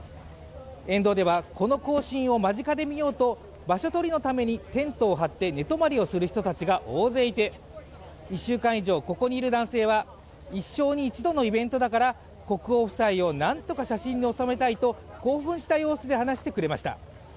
沿道ではこの行進を間近で見ようと、場所取りのためにテントを張って寝泊まりをする人たちが大勢いて、１週間以上、ここにいる男性は一生に一度のイベントだから国王夫妻をなんとか写真に収めたいと興奮した様子で話してくれました。